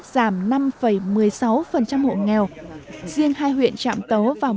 giảm năm một mươi sáu hộ nghèo